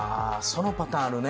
そのパターンあるね。